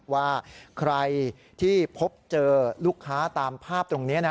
ว่าใครที่พบเจอลูกค้าตามภาพตรงนี้นะ